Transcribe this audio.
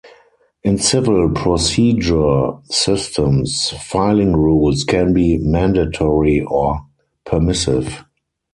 In civil procedure systems, filing rules can be mandatory or permissive.